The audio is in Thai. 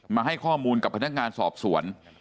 มาให้ข้อมูลกับพนักงานสอบสวน